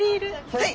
はい。